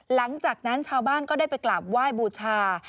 หลังจากนั้นชาวบ้านก็ได้ไปกราบไหว้บูชา